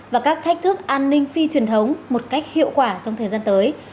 và các thách thức an ninh phi truyền thống một cách hiệu quả trong thời gian tới